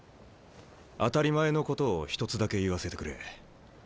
当たり前のことを一つだけ言わせてくれ。